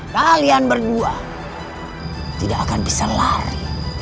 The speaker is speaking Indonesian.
kalian berdua tidak akan bisa lari